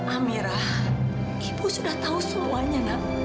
amirah ibu sudah tahu semuanya nak